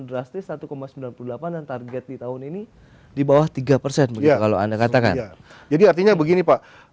drastis satu sembilan puluh delapan dan target di tahun ini di bawah tiga persen begitu kalau anda katakan jadi artinya begini pak